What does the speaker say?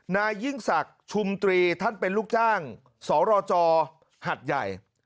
นายยิ่งศักดิ์ชุมตรีท่านเป็นลูกจ้างสรจหัดใหญ่